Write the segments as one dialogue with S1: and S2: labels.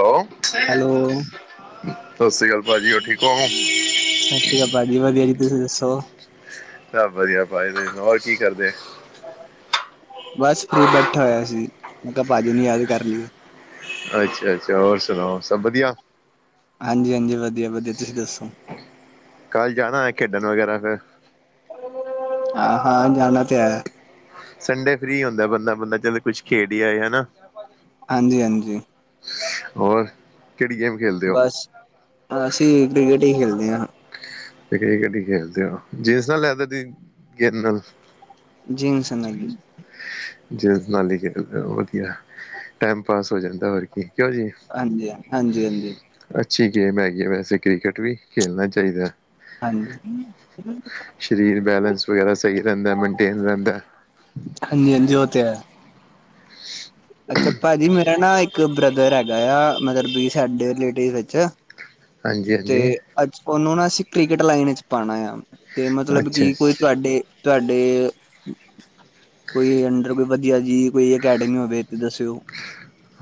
S1: Hello,
S2: hello
S1: ਸਤਿ ਸ਼੍ਰੀ ਅਕਾਲ ਭਾਜੀ ਹੋ ਠੀਕ ਹੋ।
S2: ਸਤਿ ਸ਼੍ਰ ਅਕਾਲ ਭਾ ਜੀ ਵਧੀਆ ਜੀ ਤੁਸੀਂ ਦੱਸੋ?
S1: ਸਭ ਵਧੀਆ, ਪਾਈ ਹੋਰ ਕੀ ਕਰਦੇ?
S2: ਬਸ ਫਰੀ ਬੈਠਾ ਹੋਇਆ ਸੀ ਮੈਂ ਕਿਹਾ ਭਾਜੀ ਨੂੰ ਯਾਦ ਕਰ ਲਈਏ।
S1: ਅੱਛਾ-ਅੱਛਾ ਹੋਰ ਸੁਣਾਓ ਸਭ ਵਧੀਆ?
S2: ਹਾਂਜੀ-ਹਾਂਜੀ ਵਧੀਆ-ਵਧੀਆ ਤੁਸੀਂ ਦੱਸੋ?
S1: ਕੱਲ ਜਾਣਾ ਹੈ ਖੇਡਣ ਵਗੈਰਾ ਫੇਰ
S2: ਹਾਂ-ਹਾਂ, ਜਾਣਾ ਤੇ ਹੈ।
S1: ਸੰਡੇ ਫਰੀ ਹੁੰਦਾ ਬੰਦਾ-ਬੰਦਾ ਚਲ ਕੁਛ ਖੇਡ ਹੀ ਆਏ ਹਨਾ।
S2: ਹਾਂਜੀ ਹਾਂਜੀ।
S1: ਹੋਰ ਕਿਹੜੀ ਗੇਮ ਖੇਲਦੇ ਹੋ?
S2: ਹਾਂ ਅਸੀਂ ਕ੍ਰਿਕਟ ਹੀ ਖੇਡਦੇ ਹਾਂ।
S1: ਤੇ ਕ ਕਡੀ ਖੇਡਦੇ ਹੋ ਜੀਨਸ ਨਾਲ ਲੈਦਰ ਦੀ ਗੇਦ ਨਾਲ।
S2: ਜੀਨਸ ਨਾਲ ਹੀ।
S1: ਜੀਨਸ ਨਾਲਾਲੀ ਵਧੀਆ। ਟੈਮ ਪਾਸ ਹੋ ਜਾਂਦਾ ਹੋਰ ਕੀ ਕਿਉ ਜੀ।
S2: ਹਾਂਜੀ ਹਾਂਜੀ ਹਾਂਜੀ
S1: ਅੱਛੀ ਗੇਮ ਹੈਗੀ ਹੈ ਵੈਸੇ ਕ੍ਰਿਕਟ ਵੀ ਖੇਲਣਾ ਚਾਹੀਦਾ।
S2: ਹਾਂਜੀ।
S1: ਸਰੀਰ ਬੈਲੈਂਸ ਵਗੈਰਾ ਸਹੀ ਰੈਂਦਾ ਮੇਨਟੇਨ ਰੈਂਦਾ।
S2: ਹਾਂਜੀ-ਹਾਂਜੀ ਉਹ ਤਾਂ ਹੈ। ਅੱਛਾ ਭਾਜੀ ਮੇਰਾ ਨਾ ਇੱਕ ਬ੍ਰਦਰ ਹੈਗਾ ਆ, ਮਤਲਬ ਸਾਡੇ ਰਿਲੇਟਿਵ ਵਿੱਚ।
S1: ਹਾਂਜੀ
S2: ਤੇ
S1: ਹਾਂਜੀ
S2: ਅੱਜ ਉਹਨੂੰ ਨਾ ਅਸੀਂ ਕ੍ਰਿਕਟ ਲਾਈਨ ਵਿੱਚ ਪਾਉਣਾ ਆ, ਤੇ ਮਤਲਬ
S1: ਅੱਛਾ
S2: ਕਿ ਕੋਈ ਤੁਹਾਡੇ। ਤੁਹਾਡੇ ਕੋਈ ਅੰਡਰ ਕੋਈ ਵਧੀਆ ਜਿਹੀ ਕੋਈ ਅਕੈਡਮੀ ਹੋਵੇ, ਤੇ ਦੱਸਿਓ।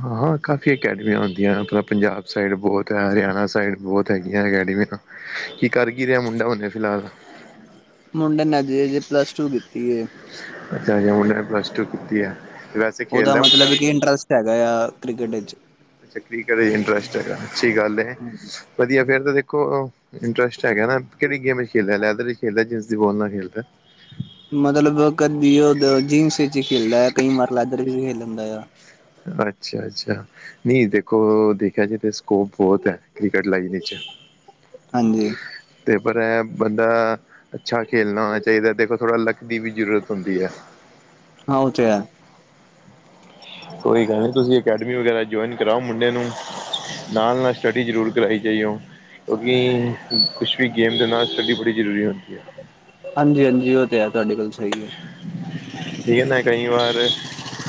S1: ਹਾਂ-ਹਾਂ ਕਾਫੀ ਅਕੈਡਮੀਆਂ ਹੁੰਦੀਆਂ, ਆਪਣਾ ਪੰਜਾਬ ਸਾਈਡ ਬਹੁਤ ਹੈ ਹਰਿਆਣਾ ਸਾਈਡ ਬਹੁਤ ਹੈਗੀਆਂ ਅਕੈਡਮੀਆਂ। ਕੀ ਕਰ ਕੀ ਰਿਹਾ, ਮੁੰਡਾ ਹੁਣੇ ਫਿਲਹਾਲ।
S2: ਮੁੰਡੇ ਨੇ ਅਜੇ ਜੇ ਪਲੱਸ ਟੂ ਕੀਤੀ ਏ।
S1: ਅੱਛਾੱ ਮੁੇ ਪਲੱਸ ਟੂ ਕੀਤੀ ਹੈ, ਵੈਸੇ
S2: ਉਹਦਾ
S1: ਖੇਲਦਾ ਮੁੰਡਾ
S2: ਮਤਲਬ ਕਿ ਇੰਟਰਸਟ ਹੈਗਾ ਆ ਕ੍ਰਿਕਟ ਵਿੱਚ।
S1: ਚੱਕਰੀ ਘ ਇੰਟਰਸਟ ਹੈਗਾ, ਅੱਛੀ ਗੱਲ ਹੈ, ਵਧੀਆ ਫੇਰ ਤਾਂ ਦੇਖੋ। ਇੰਟਰਸਟ ਹੈਗਾ, ਨਾ ਕਿਹੜੀ ਗੇਮ ਚ ਖੇਲ ਲੈ ਲੈੱਥਰ ਚ ਖੇਲ ਰਿਹਾ ਜਿਨਸ ਦੀ ਬੋਲ ਨਾਲ ਖੇਲ ਰਿਹਾ।
S2: ਮਤਲਬ ਕਦੀ ਉਹ ਜੀਨਸ ਵਿੱਚ ਹੀ ਖੇਲਦਾ ਆ, ਕਈ ਵਾਰ ਲੈੱਥਰ ਚ ਵੀ ਖੇਲ ਲੈਂਦਾ ਆ।
S1: ਅੱਛਾ-ਅੱਛਾ। ਨਹੀਂ ਦੇਖੋ ਦੇਖਿਆ ਜਾਏ ਤਾਂ ਸਕੋਪ ਬਹੁਤ ਹੈ, ਕ੍ਰਿਕਟ ਲਾਈਨ ਵਿੱਚ।
S2: ਹਾਂਜੀ
S1: ਤੇ ਪਰ ਐ ਬੰਦਾ। ਅੱਛਾ ਖੇਲਣਾ ਹੋਣਾ ਚਾਹੀਦਾ, ਦੇਖੋ ਥੋੜਾ ਲੱਕ ਦੀ ਵੀ ਜ਼ਰੂਰਤ ਹੁੰਦੀ ਹੈ।
S2: ਹਾਂ ਉਹ ਤੇ ਹੈ।
S1: ਕੋਈ ਗੱਲ ਨੀ ਤੁਸੀਂ ਅਕੈਡਮੀ ਵਗੈਰਾ ਜੁਆਇਨ ਕਰਾਓ, ਮੁੰਡੇ ਨੂੰ। ਨਾਲ ਨਾਲ ਸਟੱਡੀ ਜ਼ਰੂਰ ਕਰਵਾਾਈ ਜਾਈਓ, ਕਿਉਂਕਿ ਕੁਛ ਵੀ ਗੇਮ ਦੇ ਨਾਲ ਸਟੱਡੀ ਬੜੀ ਜ਼ਰੂਰੀ ਹੁੰਦੀ ਹੈ।
S2: ਹਾਂਜੀ-ਹਾਂਜੀ, ਉਹ ਤੇ ਹੈ ਤੁਹਾਡੇ ਗੱਲ ਸਹੀ ਹੈ।
S1: ਠੀਕ ਹੈ ਨਾ ਕਈ ਵਾਰ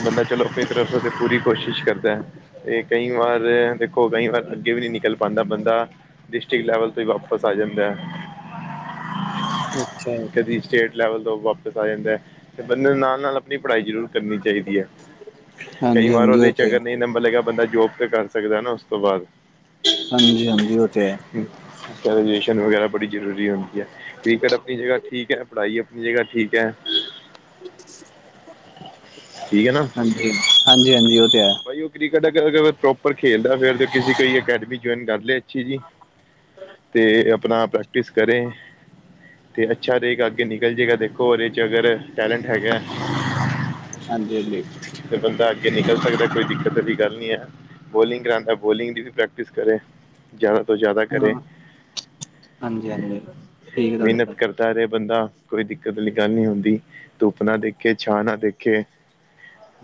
S1: ਬੰਦਾ ਚਲੋ, ਆਪਣੀ ਤਰਫ ਤੇ ਪੂਰੀ ਕੋਸ਼ਿਸ਼ ਕਰਦਾ ਹੈ। ਤੇ ਕਈ ਵਾਰ ਦੇਖੋ, ਕਈ ਵਾਰ ਅੱਗੇ ਵੀ ਨਹੀਂ ਨਿਕਲ ਪਾਉਂਦਾ ਬੰਦਾ। ਡਿਸਟ੍ਰਿਕਟ ਲੈਵਲ ਤੋਂ ਹੀ ਵਾਪਿਸ ਆ ਜਾਂਦਾ।
S2: ਅੱਛਾ ਜੀ,
S1: ਸਟੇਟ ਲੈਵਲ ਤੋਂ ਵਾਪਿਸ ਆ ਜਾਂਦਾ, ਤੇ ਬੰਦੇ ਨਾਲ-ਨਾਲ, ਆਪਣੀ ਪੜ੍ਹਾਈ ਜ਼ਰੂਰ ਕਰਨੀ ਚਾਹੀਦੀ ਹੈ, ਕਈ
S2: ਹਾਂਜੀ
S1: ਵਾਰ
S2: ਹਾਂਜੀ
S1: ਉਹਦੇ
S2: ਉਹ
S1: 'ਚ
S2: ਤੇ ਹੈ
S1: ਅਗਰ ਨਹੀਂ ਨੰਬਰ ਲਗਾ ਬੰਦਾ ਜੋਬ। ਕਰ ਸਕਦਾ, ਨਾ ਉਸ ਤੋਂ ਬਾਅਦ
S2: ਹਾਂਜੀ-ਹਾਂਜੀ, ਉਹ ਤੇ ਹੈ।
S1: ਗ੍ਰੈਜੂਏਸ਼ਨ ਵਗੈਰਾ ਬੜੀ ਜ਼ਰੂਰੀ ਹੁੰਦੀ ਹੈ, ਕ੍ਰਿਕਟ ਆਪਣੀ ਜਗ੍ਹਾ ਠੀਕ ਹੈ ਪੜ੍ਹਾਈ। ਜਗ੍ਹਾ ਠੀਕ ਹੈ। ਠੀਕ
S2: ਹਾਂਜੀ-ਹਾਂਜੀ-ਹਾਂਜੀ ਉਹ ਤੇ ਹੈ।
S1: ਬਾਈ ਉਹ ਕ੍ਰਿਕਟ ਅਗਰ ਓਹ ਪ੍ਰੋਪਰ ਖੇਲਦਾ, ਫੇਰ ਤੇ ਕਿਸੇ ਕੋਈ ਅਕੈਡਮੀ ਜੁਆਇਨ ਕਰ ਲਿਆ। ਜੀ ਤੇ ਆਪਣਾ ਪ੍ਰੈਕਟਿਸ ਕਰੇ। ਅਤੇ ਅੱਛਾ ਰਹੇਗਾ ਅੱਗੇ ਨਿਕਲ ਜੇਗਾ ਦੇਖੋ, ਇਹਦੇ 'ਚ ਅਗਰ ਟੈਲੈਂਟ ਹੈਗਾ।
S2: ਹਾਂਜੀ,
S1: ਫੇਰ ਬੰਦਾ ਅੱਗੇ ਨਿਕਲ ਸਕਦਾ। ਕੋਈ ਦਿੱਕਤ ਵਾਲੀ ਗੱਲ ਨਹੀਂ ਹੈ, ਬੋਲਿੰਗ ਕਰਉਂਦਾ ਬੋਲਿੰਗ ਦੀ ਵੀ ਪ੍ਰੈਕਟਿਸ ਕਰੇ। ਜ਼ਿਆਦਾ ਤੋਂ ਜ਼ਿਆਦਾ
S2: ਹਾਂ
S1: ਕਰੇ
S2: ਹਾਂਜੀ ਹਾਂਜੀ ਠੀਕ ਹੈ ਤੁਹਾਡੇ
S1: ਮਿਹਨਤ ਕਰ ਘਰੇ ਬੰਦਾ ਕੋਈ ਦਿੱਕਤ ਵਾਲੀ ਗੱਲ ਨਹੀਂ ਹੁੰਦੀ, ਧੁੱਪ ਨਾ ਦੇਖੇ ਛਾਹ ਨਾ ਦੇਖੇ।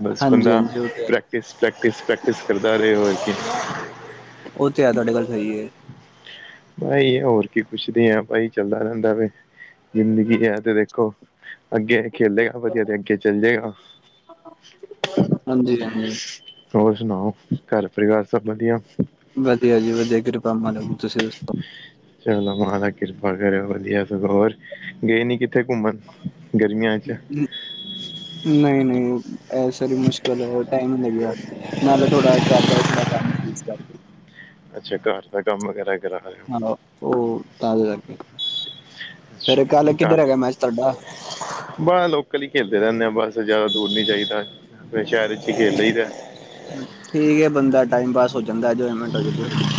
S1: ਬਸ
S2: ਹਾਂਜੀ
S1: ਬੰਦਾ
S2: ਹਾਂਜੀ ਉਹ ਤੇ ਹੈ,
S1: ਪ੍ਰੈਕਟਿਸ-ਪ੍ਰੈਕਟਿਸ-ਪ੍ਰੈਕਟਿਸ ਕਰਦਾ ਰਹੇ ਹੋਰ ਕੀ।
S2: ਉਹ ਤੇ ਹੈ, ਤੁਹਾਡੇ ਗੱਲ ਸਹੀ ਹੈ।
S1: ਬਾਈ ਹੋਰ ਕੀ ਪੁੱਛਦੇ ਆ, ਭਾਈ ਚੱਲਦਾ ਰਹਿੰਦਾ ਵੇ। ਜ਼ਿੰਦਗੀ ਹੈ ਤੇ ਦੇਖੋ, ਅੱਗੇ ਖੇਲੇੇਗਾ ਵਧੀਆ ਤੇ ਅੱਗੇ ਚੱਲ ਜਾਏਗਾ।
S2: ਹਾਂਜੀ-ਹਾਂਜੀ,
S1: ਹੋਰ ਸੁਣਾਓ ਘਰ ਪਰਿਵਾਰ ਸਭ ਵਧੀਆ?
S2: ਵਧੀਆ ਜੀ ਵਧੀਆ ਕਿਰਪਾ ਮਾਲਕ ਦੀ, ਤੁਸੀਂ ਦੱਸੋ?
S1: ਚਲੋ ਮਹਾਰਾਜ ਕਿਰਪਾ ਕਰਓ ਵਧੀਆ, ਸਗੋਂ ਗਏ ਨੀ ਕਿੱਥੇ ਘੁੰਮਣ। ਗਰਮੀਆਂ ਚ
S2: ਨਹੀਂ-ਨਹੀਂ। ਐ ਸਾਰੀ ਮੁਸ਼ਕਿਲ ਟਾਈਮ ਲੱਗਿਆ ਨਾਲੇ ਥੋੜਾ ਘਰਦਾ ਥੋੜਾ ਕੰਮ ਸੀ ਇਸ ਕਰਕੇ।
S1: ਅੱਛਾ ਘਰ ਦਾ ਕੰਮ ਵਗੈਰਾ ਕਰਾਹਾ।
S2: ਆਹੋ, ਓ ਤਾਂ ਲੈਗੇ, ਫੇਰ ਕੱਲ ਕਿੱਧਰ ਹੈਗਾ ਮੈਚ ਤੁਆਡਾ।
S1: ਬਾਹ ਲੋਕਲ ਈ ਖੇਡਦੇ ਰੈਂਦੇ ਆ ਬਸ ਜੈਦਾ ਦੂਰ ਨੀ ਜਾਈਦਾ। ਫੇਰ ਸ਼ਹਿਰ ਚ ਈ ਖੇਲ ਲਈ ਦਾ।
S2: ਠੀਕ ਏ ਬੰਦਾ ਟਾਈਮ ਪਾਸ ਹੋ ਜਾਂਦਾ ਇੰਜੋਯਮੈਂਟ ਹੋ ਜਾਂਦੀ ਥੋੜੀ।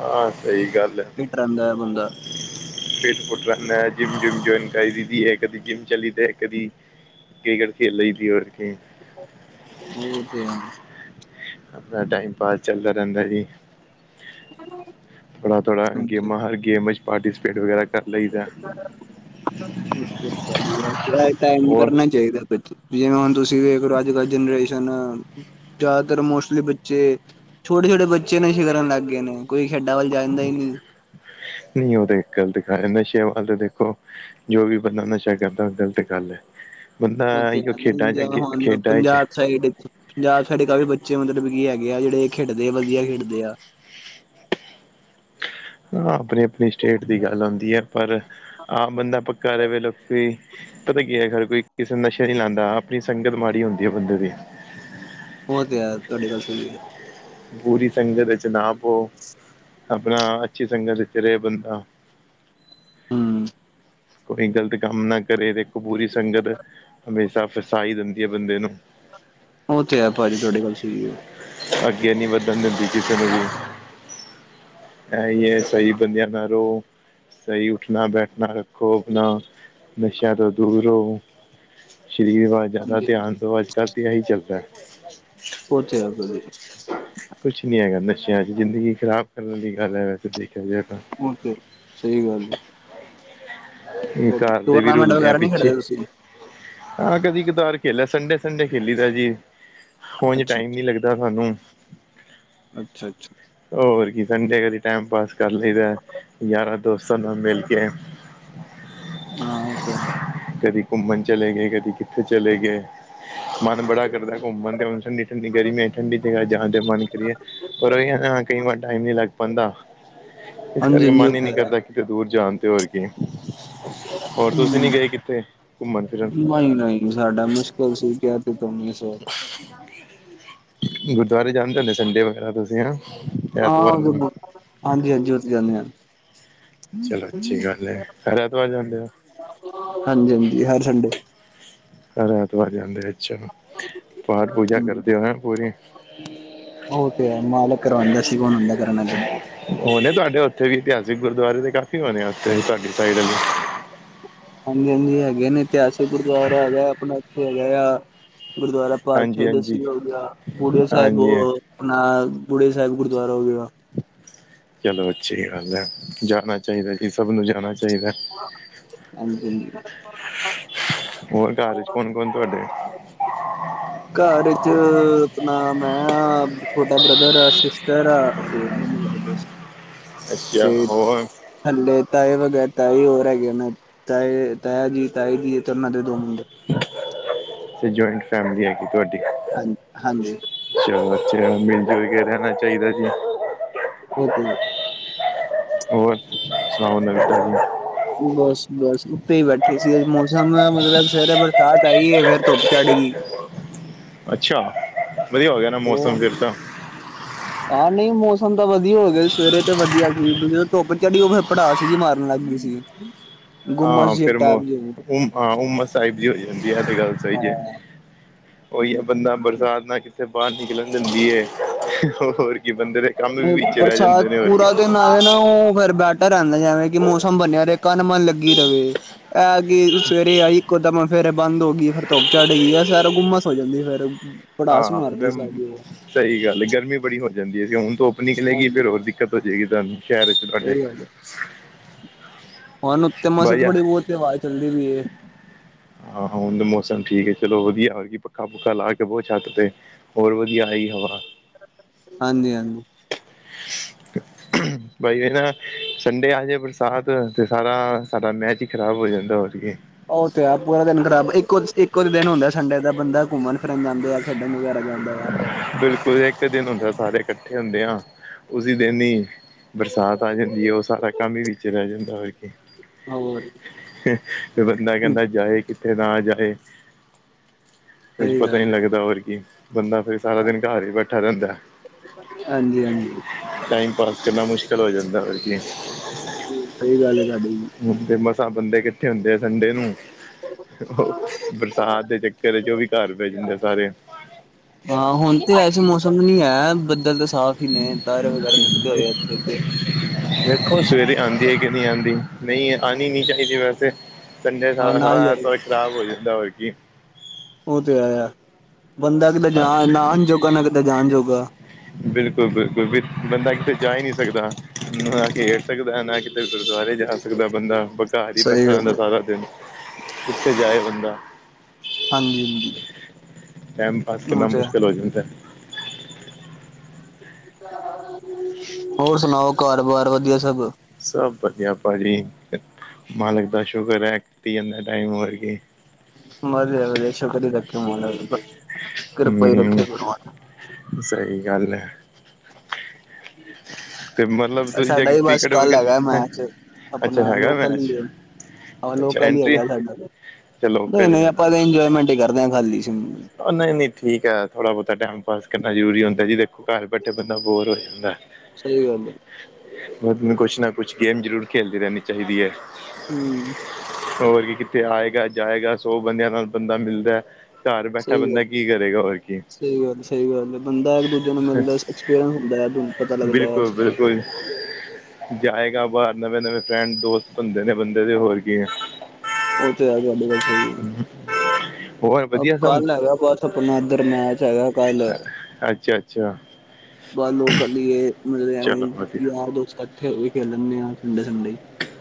S1: ਹਾਂ, ਸਈ ਗੱਲ ਐ।
S2: ਫਿੱਟ ਰੈਂਦਾ ਐ ਬੰਦਾ।
S1: ਫੀਟ ਫੁਟ ਰੈਂਦਾ ਜਿਮ-ਜਿਮ ਜੁਇਨ ਕਰ ਲਈ ਦੀ ਐ ਕਦੀ ਜਿਮ ਚੱਲੀ ਦਾ ਕਦੀ। ਕ੍ਰਿਕੇਟ ਖੇਲ ਲਈ ਦੀ ਹੋਰ ਕੇ
S2: ਓ ਤੇ ਹੈ।
S1: ਆਪਣਾ ਟਾਈਮ ਪਾਸ ਚਲਦਾ ਰੈਂਦਾ ਜੀ। ਥੋੜਾ-ਥੋੜਾ
S2: ਹਾਂਜੀ।
S1: ਗੇਮਾਂ ਹਰ ਗੇਮ ਚ ਪਾਰਟੀਸਪੇਟ ਵਗੈਰਾ ਕਰ ਲਈਦਾ।
S2: ਰਾਈਟ ਟਾਈਮ
S1: ਹੋਰ
S2: ਕਰਨਾ ਚਾਈਦਾ [unintelligible] ਜਿਵੇਂ ਹੁਣ ਤੁਸੀਂ ਵੇਖ ਲਓ ਅੱਜ ਕਲ ਜਨਰੇ ਸ਼ਨ ਜ਼ੈਦਾਤਰ ਮੋਸਟਲੀ ਬੱਚੇ ਛੋਟੇ-ਛੋਟੇ ਬੱਚੇ ਨਸ਼ਾ ਕਰਨ ਲੱਗ ਗਏ ਨੇ। ਕੋਈ ਖੇਡਾਂ ਵੱਲ ਜਾਂਦਾ ਈ ਨਈ।
S1: ਨਈ ਓ ਤੇ ਗੱਲ ਐ ਨਸ਼ਿਆਂ ਵੱਲ ਦੇਖੋ ਜੋ ਵੀ ਬੰਦਾ ਨਸ਼ਾ ਕਰਦਾ ਓ ਗਲਤ ਗੱਲ ਐ। ਬੰਦਾ
S2: ਉਹ ਤੇ
S1: ਇੱਕ
S2: ਹੈ ਨੀ
S1: ਖੇਡਾਂ ਚ
S2: ਜਿਵੇਂ
S1: ਅੱਗੇ,
S2: ਹੁਣ
S1: ਖੇਡਾਂ ਚ
S2: ਪੰਜਾਬ ਸਾਈਡ ਪੰਜਾਬ ਸਾਈਡ ਕਾਫੀ ਬੱਚੇ ਮਤਲਬ ਕੀ ਹੈਗੇ ਆ ਜੇੜੇ ਖੇਡਦੇ ਵਦੀਆ ਖੇਡਦੇ ਆ।
S1: ਹਾਂ, ਆਪਣੀ-ਆਪਣੀ ਸਟੇਟ ਦੀ ਗੱਲ ਹੂੰਦੀ ਐ ਪਰ ਆਮ ਬੰਦਾ ਪੱਕਾ ਰਵੇ ਲੋਕੀ ਪਤਾ ਕੀ ਐ ਹਰ ਕੋਈ ਕਿਸੇ ਨੂੰ ਨਸ਼ਾ ਨਈ ਲਾਂਦਾ ਆਪਣੀ ਸੰਗਤ ਮਾੜੀ ਹੁੰਦੀ ਐ ਬੰਦੇ ਦੀ।
S2: ਓ ਤੇ ਹੈ ਤੁਆਡੀ ਗੱਲ ਸਈ ਐ।
S1: ਬੁਰੀ ਸੰਗਤ ਚ ਨਾ ਪਓ ਆਪਣਾ ਅੱਛੀ ਸੰਗਤ ਵਿੱਚ ਰਏ ਬੰਦਾ।
S2: ਹੂੰ।
S1: ਕੋਈ ਗ਼ਲਤ ਕੰਮ ਨਾ ਕਰੇ ਦੇਖੋ ਬੁਰੀ ਸੰਗਤ ਹਮੇਸ਼ਾ ਫੱਸਾ ਈ ਦਿੰਦੀ ਐ ਬੰਦੇ ਨੂੰ।
S2: ਓ ਤੇ ਹੈ ਭਾਜੀ ਤੁਆਡੇ ਗੱਲ ਸਈ ਏ।
S1: ਜਿੱਦ ਨੀ ਵਧਣ ਦਿੰਦੀ ਕਿਸੇ ਨੂੰ ਵੀ, ਐ ਈ ਹੈ ਸਈ ਬੰਦਿਆ ਨਾਲ ਰਓ। ਸਈ ਉੱਠਣਾ ਬੈਠਣਾ ਰੱਖੋ ਆਪਣਾ ਨਸ਼ਿਆਂ ਤੋਂ ਦੂਰ ਰਓ ਸ਼ਰੀਰ ਵੱਲ ਜ਼ੈਦਾ
S2: ਹਾਂਜੀ
S1: ਧਿਆਨ
S2: ਹਾਂਜੀ
S1: ਦੋ ਅੱਜ ਕੱਲ੍ਹ ਤਾਂ ਐਈ ਚੱਲਦਾ।
S2: ਓ ਤੇ ਹੈ [unintelligible]
S1: ਕੁਛ ਨੀ ਹੈਗਾ ਨਸ਼ਿਆਂ ਚ ਜ਼ਿੰਦਗੀ ਖ਼ਰਾਬ ਕਰਨ ਦੀ ਗੱਲ ਐ ਵੈਸੇ ਦੇਖਿਆ ਜਾਏ ਤਾਂ।
S2: ਓ ਤੇ ਸਈ ਗੱਲ। ਹੈ
S1: ਘਰ ਦੇ ਵੀ
S2: ਟੂਰਨਾਮੈਂਟ
S1: ਰੁਲਦੇ ਆ
S2: ਵਗੈਰਾ ਨਹੀਂ ਖੇਡਦੇ
S1: ਪਿੱਛੇ।
S2: ਤੁਸੀਂ
S1: ਹਾਂ, ਕਦੀ ਕਦਾਰ ਖੇਲਿਆ ਸੰਡੇ-ਸੰਡੇ ਖੇਲੀ ਦਾ ਜੀ। ਓਂਜ
S2: ਅੱਛਾ
S1: ਟਾਈਮ
S2: ਅੱਛਾ
S1: ਨੀ ਲੱਗਦਾ ਸਾਨੂੰ।
S2: ਅੱਛਾ ਅੱਛਾ।
S1: ਹੋਰ ਕੀ ਸੰਡੇ ਕਦੀ ਟੈਮ ਪਾਸ ਕਰ ਲਈਦਾ, ਯਾਰਾਂ ਦੋਸਤਾਂ ਨਾਲ ਮਿਲ ਕੇ
S2: ਹਾਂ ਓ ਤੇ ਹੈ।
S1: ਕਦੀ ਘੁੰਮਣ ਚਲੇ ਗਏ, ਕਦੀ ਕਿੱਥੇ ਚਲੇ ਗਏ, ਮਨ ਬੜਾ ਕਰਦਾ ਘੁੰਮਣ ਤੇ ਹੁਣ ਐਨੀ ਗਰਮੀ ਹੈ, ਠੰਡੀ ਜਗਾ ਜਾਣ ਤੇ ਮਨ ਕਰੀਏ, ਪਰ ਕਈ ਵਾਰ ਟਾਈਮ ਨਹੀਂ ਲੱਗ ਪੈਂਂਦਾ। ਇਸ
S2: ਹਾਂਜੀ
S1: ਕਰਕੇ
S2: ਹਾਂਜੀ
S1: ਮਨ
S2: ਉਹ
S1: ਹੀ ਨੀ
S2: ਤੇ ਹੈ।
S1: ਕਰਦਾ ਕਿਤੇ ਦੂਰ ਜਾਣ ਤੇ ਹੋਰ ਕੀ ਹੋਰ ਤੁਸੀਂ
S2: ਹੂੰ
S1: ਨੀ ਗਏ ਕਿੱਥੇ ਘੁੰਮਣ ਫਿਰਨ [inaudible]
S2: ਨਹੀਂ ਨਹੀਂ ਸਾਡਾ ਮੁਸ਼ਕਿਲ ਸੀ ਕਿਹਾ ਤੇ ਤੁਮ ਇਸ ਵਾਰ
S1: ਗੁਰਦੁਆਰੇ ਜਾਂਦੇ ਹੁੰਦੇ ਸੰਡੇ ਵਗੈਰਾ ਤੁਸੀਂ ਹੈਨਾ।
S2: ਹਾਂ ਉਧਰ ਹਾਂਜੀ -ਹਾਂਜੀ ਉਥੇ ਜਾਂਨੇ ਹਾਂ।
S1: ਚਲੋ ਅੱਛੀ ਗੱਲ ਹੈ ਹਰ ਐਤਵਾਰ ਜਾਂਦੇ ਹੋ?
S2: ਹਾਂਜੀ, ਹਾਂਜੀ ਹਰ ਸੰਡੇ
S1: ਹਰ ਐਤਵਾਰ ਜਾਂਦੇ ਆ ਅੱਛਾ, ਪਾਠ ਪੂਜਾ ਕਰਦੇ ਹੋ, ਹੈ ਪੂਰੀ।
S2: ਉਹ ਤੇ ਹੈ ਮਾਲਕ ਕਰਵਾਉਂਦਾ ਅਸੀਂ ਕੌਣ ਹੁੰਦੇ ਹਾਂ ਕਰਨ ਵਾਲੇ।
S1: ਹੋਣੇ ਤੁਹਾਡੇ ਉੱਥੇ ਵੀ ਇਤਿਹਾਸਿਕ ਗੁਰਦੁਆਰੇ ਦੇ ਕਾਫੀ ਹੋਣੇ ਆ ਉਥੇ ਤੁਹਾਡੀ ਸਾਈਡ ਵੀ?
S2: ਹਾਂਜੀ -ਹਾਂਜੀ ਹੈਗੇ ਨੇ ਇਤਿਹਾਸਿਕ ਗੁਰਦੁਆਰਾ ਹੈਗਾ ਆਪਣਾ ਇੱਥੇ ਹੈਗਾ ਆ। ਗੁਰਦੁਆਰਾ ਪਾ
S1: ਹਾਂਜੀ ਹਾਂਜੀ
S2: ਸਿੰਘ ਹੋ ਗਿਆ ਬੁੜਆ ਸਾਹਿਬ [inaudible]
S1: ਹਾਂਜੀ
S2: ਆਪਣਾ ਗੁੜੇ ਸਾਹਿਬ ਗੁਰਦੁਆਰਾ ਹੋਵੇਗਾ
S1: ਚਲੋ ਅੱਛੀ ਗੱਲ ਹੈ, ਜਾਣਾ ਚਾਹੀਦਾ ਸੀ ਸਭ ਨੂੰ ਜਾਣਾ ਚਾਹੀਦਾ।
S2: ਹਾਂਜੀ-ਹਾਂਜੀ।
S1: ਹੋਰ ਘਰ ਚ ਕੌਣ ਕੌਣ ਤੁਹਾਡੇ
S2: ਘਰ ਚ ਆਪਣਾ ਮੈਂ ਆ, ਛੋਟਾ ਬ੍ਰਦਰ ਆ, ਸਿਸਟਰ ਆ, ਤੇ ਮੰਮੀ ਆ ਬਸ
S1: ਅੱਛਾ
S2: ਤੇ
S1: ਹੋਰ
S2: ਥੱਲੇ ਤਾਏ ਵਗੈਰਾ ਤਾਈ ਹੋਰ ਹੈਗੇ ਨੇ ਤਾਏ ਤਾਇਆ ਜੀ ਤਾਈ ਜੀ ਇਹ ਦੋਨਾਂ ਦੇ ਦੋ ਮੁੰਡੇ।
S1: ਤੇ ਜੁਆਇੰਟ ਫੈਮਲੀ ਹੈਗੀ ਤੁਹਾਡੀ
S2: ਹਾਂ ਹਾਂਜੀ
S1: ਅੱਛਾ ਅੱਛਾ ਮਿਲ ਜੁਲ ਕੇ ਰਹਿਣਾ ਚਾਹੀਦਾ ਜੀ।
S2: ਓ ਤੇ ਹੈ।
S1: ਹੋਰ ਸੁਣਾਓ ਨਵੀਂ ਤਾਜੀ ਸੁਣਾਓ।
S2: ਬੱਸ ਬੱਸ ਉੱਤੇ ਈ ਬੈਠੀ ਸੀਗੇ ਜੀ, ਮੌਸਮ ਮਤਲਬ ਸਵੇਰੇ ਬਰਸਾਤ ਆਈ ਏ ਫੇਰ ਧੁੱਪ ਚੜ ਗਈ।
S1: ਅੱਛਾ, ਵਧੀਆ ਹੋ ਗਿਆ ਨਾ ਮੌਸਮ
S2: ਉਹ
S1: ਫਿਰ ਤਾਂ
S2: ਹਾਂ ਨਈ ਮੌਸਮ ਤਾਂ ਵਦੀਆ ਹੋ ਗਿਆ ਸਵੇਰੇ ਤੇ ਵਦੀਆ ਸੀ ਜਦੋ ਧੁੱਪ ਚੜੀ ਓ ਫਿਰ ਪੜਾਸ਼ ਜੀ ਮਾਰਨ ਲੱਗ ਗੀ ਸੀ। ਹਮ
S1: ਹਾਂ ਫਿਰ ਉਮਾ ਸਾਹਿਬ ਜੀ ਹੋ ਜਾਂਦੀ ਆ ਤੇ ਗੱਲ ਸਹੀ ਐ
S2: ਹਾਂ
S1: ਉਹੀ ਬੰਦਾ ਬਰਸਾਤ ਨਾ ਤੇ ਬਾਰ ਨਿਕਲਣ ਦਿੰਦੀ ਏ ਹੋਰ ਕੀ ਬੰਦੇ ਦੇ ਕੰਮ ਵੀ ਵਿੱਚ ਰਹਿ
S2: ਬਰਸਾਤ
S1: ਜਾਂਦੇ ਨੇ ਹੋਰ ਕੀ
S2: ਪੂਰਾ ਦਿਨ ਆਵੇਂ ਨਾ ਓ ਫੇਰ ਬੈਟਰ ਰੈਂਦਾ ਜੈਵੇਂ ਕਿ ਮੌਸਮ ਬਣਿਆ ਰੇ ਕਨ ਮਨ ਲੱਗੀ ਰਵੇ। ਐ ਕੀ ਸਵੇਰੇ ਆਈ ਇੱਕੋ ਦਮ ਫੇਰ ਐ ਬੰਦ ਹੋਗੀ ਫਿਰ ਧੁੱਪ ਚੜ੍ਹਗੀ ਆ ਸਾਰ ਗੁੰਮਸ ਹੋ ਜਾਂਦੀ ਫੇਰ। ਭੜਾਸ ਮਾਰਦੀ ਸਾਰੀ ਉਹ
S1: ਸਈ ਗੱਲ ਏ ਗਰਮੀ ਬੜੀ ਹੋ ਜਾਂਦੀ ਜੀ ਹੁਣ ਧੁੱਪ ਨਿਕਲੇਗੀ ਫਿਰ ਹੋਰ ਦਿੱਕਤ ਹੋਜੇਗੀ ਤਾਂ
S2: ਸਈ ਗੱਲ ਏ, ਹੁਣ ਓੱਤੇ ਮਸੇ
S1: ਵਧੀਆ
S2: ਥੋੜੀ ਬੌਤ ਤੇ ਹਵਾ ਚੱਲਦੀ ਪਈ ਏ।
S1: ਆਹੋ ਹੁਣ ਮੌਸਮ ਠੀਕ ਹੈ ਚਲੋ ਵਧੀਆ ਹੋਰਗੀ ਪੱਖਾ ਪੁੱਖਾ ਲਾ ਕੇ ਬਓ ਛੱਤ ਤੇ ਬੋਤ ਵਧੀਆ ਹੈਗੀ ਹਵਾ।
S2: ਹਾਂਜੀ-ਹਾਂਜੀ
S1: [inaudible] ਬਾਈ ਏ ਨਾ ਸੰਡੇ ਅੱਜ ਏ ਬਰਸਾਤ ਤੇ ਸਾਰਾ ਸਾਡਾ ਮੈਚ ਈ ਖ਼ਰਾਬ ਹੋ ਜਾਂਦਾ ਹੋਰ ਕੀ।
S2: ਉਹ ਤੇ ਆ ਪੂਰਾ ਦਿਨ ਖਰਾਬ ਇੱਕੋ ਇੱਕੋ ਦਿਨ ਹੁੰਦਾ ਆ ਸੰਡੇ ਦਾ ਬੰਦ ਘੁੰਮਣ ਫਿਰਨ ਜਾਂਦੇ ਆ ਖੇਡਣ ਵਗੈਰਾ ਜਾਂਦਾ ਆ।
S1: ਬਿਲਕੁਲ ਇੱਕ ਦਿਨ ਹੁੰਦਾ, ਸਾਰੇ ਇਕੱਠੇ ਹੁੰਦੇ ਆ ਉਸੀ ਦਿਨ ਹੀ ਬਰਸਾਤ ਆ ਜਾਂਦੀ ਏ ਓ ਸਾਰਾ ਕੰਮ ਈ ਵਿੱਚੇ ਰਹਿ ਜਾਂਦਾ।
S2: ਹੋਰ
S1: [unintelligible] ਫਿਰ ਬੰਦਾ ਕਹਿੰਦਾ ਜਾਏ ਕਿੱਥੇ। ਤੇ ਨਾ ਜਾਏ ਕੁੱਛ
S2: ਸਹੀ
S1: ਪਤਾ ਈ ਨੀ
S2: ਗੱਲ
S1: ਲੱਗਦਾ ਹੋਰ ਕੀ। ਬੰਦਾ ਫਿਰ ਸਾਰਾ ਦਿਨ ਘਰ ਹੀ ਬੈਠਾ ਰਹਿੰਦਾ।
S2: ਹਾਂਜੀ- ਹਾਂਜੀ
S1: ਟਾਈਮ ਪਾਸ ਕਰਨਾ ਮੁਸ਼ਕਿਲ ਹੋ ਜਾਂਦਾ ਕੀ
S2: ਸਹੀ ਗੱਲ ਹੈ ਸਾਡੇ ਵੀਰ
S1: ਹੁਣ ਤੇ ਮਸਾਂ ਬੰਦੇ ਕੱਠੇ ਹੁੰਦੇ ਆ ਸੰਡੇ ਨੂੰ। ਬਰਸਾਤ ਦੇ ਚੱਕਰ ਚ ਉਹ ਵੀ ਘਰ ਭੇਜ ਦਿੰਦੇ ਸਾਰੇ [unintelligible] [inaudible]
S2: ਹਾਂ ਹੁਣ ਤੇ ਵੈਸੇ ਮੌਸਮ ਨੀ ਹੈ ਬੱਦਲ ਤਾਂ ਸਾਫ਼ ਹੀ ਨੇ ਤਾਰੇ ਵਗੈਰਾ ਨਿਕਲੇ ਹੋਏ ਇੱਥੇ ਤੇ
S1: ਦੇਖੋ ਸਵੇਰੇ ਆਉਂਦੀ ਹੈ ਕਿ ਨਹੀਂ ਆਉਂਦੀ ਨਹੀਂ ਆਉਣੀ ਨੀ ਚਾਹੀਦੀ ਵੈਸੇ। ਕੇਨਾ
S2: ਹਾਂ
S1: ਸਾਰਾ
S2: ਨਾ ਹੀ ਯਾਰ
S1: ਸਾਰਾ ਖਰਾਬ ਹੋ ਜਾਂਦਾ ਹੋਰ ਕੀ
S2: ਓ ਤੇ ਹੈ ਬੰਦਾ ਕਿਤੇ ਜਾਨ ਨਾ ਆਨ ਜੋੋਗਾ ਨਾ ਕਿਤੇ ਜਾਨ ਜੋੋਗਾ।
S1: ਬਿਲਕੁਲ -ਬਿਲਕੁਲ ਵੀ ਬੰਦਾ ਕਿਤੇ ਜਾ ਹੀ ਨਹੀਂ ਸਕਦਾ ਨਾ ਘੇਰ ਸਕਦਾ ਨਾ ਕਿਤੇ ਅਤੇ ਗੁਰਦੁਆਰੇ ਜਾ ਸਕਦਾ ਬੰਦਾ ਬਘਾਰ ਹੀ
S2: ਸਹੀ
S1: ਬੈਠਾ
S2: ਗੱਲ
S1: ਰਹਿੰਦਾ
S2: ਹੈ।
S1: ਸਾਰਾ ਦਿਨ ਕਿੱਥੇ ਜਾਏ ਬੰਦਾ
S2: ਹਾਂਜੀ ਹਾਂਜੀ
S1: ਟਾਈਮ ਪਾਸ ਕਰਨਾ
S2: ਉਹ ਤੇ ਹੈ।
S1: ਮੁਸ਼ਕਿਲ ਹੋ ਜਾਂਦਾ।
S2: ਹੋਰ ਸੁਣਾਓ ਘਰ ਬਾਰ ਵਧੀਆ ਸਭ
S1: ਸਭ ਵਧੀਆ ਭਾਜੀ, ਮਾਲਕ ਦਾ ਸ਼ੁਕਰ ਹੈ, ਕੱਟੀ ਜਾਂਦਾ ਟਾਈਮ ਹੋਰ ਕੀ।
S2: ਮਜ਼ ਵਸ਼ੋ ਕਰ ਰੱਖੀ ਮ ਕਿਰਪਈ
S1: ਹਮ
S2: ਰੱਖੇ [unintelligible]
S1: ਸਹੀ ਗੱਲ ਹੈ। ਹ ਤੇ ਮਤਲਬ ਤੁਸੀਂ ਜਾ
S2: ਸਾਡਾ ਵੀ ਬਸ
S1: ਕ੍ਰਿਕਟ
S2: ਕੱਲ ਹੈਗਾ
S1: ਵਗੈਰਾ
S2: ਮੈਚ
S1: ਅੱਛਾ
S2: ਆਪਣਾ
S1: ਹੈਗਾ
S2: ਲੋਕਲ
S1: ਮੈਚ
S2: ਹੀ ਏ ਆਹ
S1: ਅੱਛਾ
S2: ਲੋਕਲ ਹੀ
S1: ਐਂਟਰੀ
S2: ਹੈਗਾ ਸਾਡਾ,
S1: ਅੱਛਾ
S2: ਨਹੀਂ
S1: ਲੋਕਲ ਹੀ
S2: ਨਹੀਂ ਆਪਾਂ ਤਾਂ ਇੰਜੋਏਮੈਂਟ ਹੀ ਕਰਦੇ ਹਾਂ ਖਾਲੀ
S1: ਉਹ ਨਹੀਂ -ਨਹੀਂ ਠੀਕ ਹੈ, ਥੋੜਾ ਬਹੁਤਾ ਟਾਈਮ ਪਾਸ ਕਰਨਾ ਜ਼ਰੂਰੀ ਹੁੰਦਾ ਜੀ ਦੇਖੋ ਘਰ ਬੈਠੇ ਬੰਦਾ ਬੋਰ ਹੋ ਜਾਂਦਾ।
S2: ਗੱਲ ਹੈ
S1: ਬੰਦੇ ਨੂੰ ਕੁਛ ਨਾ ਕੁਛ ਗੇਮ ਜ਼ਰੂਰ ਖੇਲਦੀ ਰਹਿਣੀ ਚਾਹੀਦੀ ਹੈ।
S2: ਹੂੰ।
S1: ਹੋਰ ਵੀ ਕਿੱਥੇ ਆਏਗਾ, ਜਾਏਗਾ, ਸੌ ਬੰਦਿਆਂ ਨਾਲ ਬੰਦਾ ਮਿਲਦਾ ਘਰ ਬੈਠਾ ਬੰਦਾ ਕੀ ਕਰੇਗਾ ਹੋਰ ਕੀ।
S2: ਸਈ ਗੱਲ ਸਈ ਗੱਲ ਬੰਦਾ ਇੱਕ ਦੂਜੇ ਨੂੰ ਮਿਲਦਾ ਐਕਸਪੀਰੀਅੰਸ ਹੁੰਦੈ ਪਤਾ ਲੱਗਦਾ।
S1: ਬਿਲਕੁਲ ਬਿਲਕੁਲ ਜਾਏਗਾ ਬਾਹਰ ਨਵੇਂ-ਨਵੇਂ ਫਰੈਂਡ ਦੋਸਤ ਬਨਦੇ ਨੇ ਬੰਦੇ ਦੇ ਹੋਰ ਕੀ ਏ।
S2: ਉਹ ਤੇ ਆ ਤੁਹਾਡੀ ਗੱਲ ਸਹੀ ਹੈ।
S1: ਹੋਰ
S2: ਅਬ
S1: ਵਧੀਆ ਸਮ?
S2: ਕੱਲ ਹੈਗਾ ਬਸ ਆਪਣਾ ਇਧਰ ਮੈਚ ਹੈਗਾ ਕੱਲ।
S1: ਅੱਛਾ ਅੱਛਾ
S2: ਬਾਹਰ ਲੋਕਲ ਈ ਏ ਮਤਲਬ ਐਵੇਂ
S1: ਚਲੋ ਵਧੀਆ
S2: ਯਾਰ ਦੋਸਤ ਇਕੱਠੇ ਹੋ ਕੇ ਖੇਲ ਲੈਂਦੇ ਆ ਸੰਡੇ ਦੇ ਸੰਡੇ।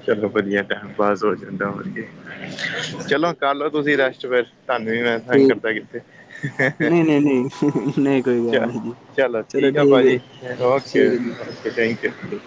S1: ਚਲੋ ਵਧੀਆ ਟੈਮ ਪਾਸ ਹੋ ਜਾਂਦਾ ਹੋਰ ਕੀ। ਚਲੋ ਕਰ ਲੋ ਤੁਸੀਂ ਰੈਸਟ ਫੇਰ ਤੁਹਾਨੂੰ ਵੀ ਮੈਂ ਤੰਗ
S2: ਠੀਕ
S1: ਕਰਦਾ ਕਿੱਥੇ।
S2: ਨਹੀਂ ਨਹੀਂ, ਨਹੀਂ ਨਹੀਂ, ਕੋਈ ਗੱਲ ਨਹੀਂ ਜੀ। ਚਲੋ
S1: ਆ
S2: ਠੀਕ ਏ
S1: ਭਾਜੀ ਓਕੇ
S2: ਠੀਕ ਹੈ ਜੀ
S1: ਓਕੇ ਥੈਂਕ ਯੂ
S2: ਓਕੇ।